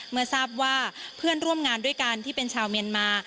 เมื่อทราบว่าเพื่อนร่วมงานด้วยกันที่เป็นชาวเมียนมา